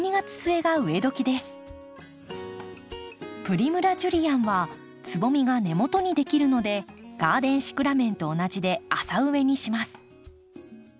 プリムラ・ジュリアンはつぼみが根元にできるのでガーデンシクラメンと同じで浅植えにします。